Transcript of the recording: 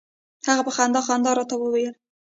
هغې په خندا خندا راته وویل.